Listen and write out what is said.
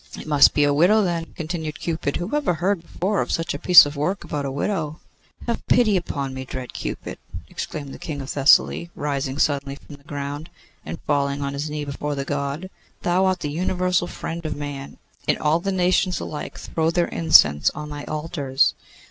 'It must be a widow, then,' continued Cupid. 'Who ever heard before of such a piece of work about a widow!' 'Have pity upon me, dread Cupid!' exclaimed the King of Thessaly, rising suddenly from the ground, and falling on his knee before the God. 'Thou art the universal friend of man, and all nations alike throw their incense on thy altars.